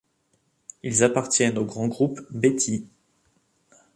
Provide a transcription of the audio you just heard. Ils appartiennent au grand groupe Beti.